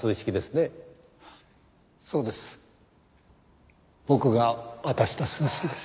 そうです。